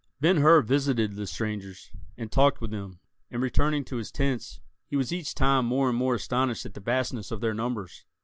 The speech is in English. Ben Hur visited the strangers, and talked with them; and returning to his tents, he was each time more and more astonished at the vastness of their numbers.